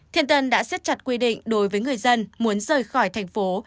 thiên ân đã xét chặt quy định đối với người dân muốn rời khỏi thành phố